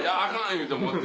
言うて持って。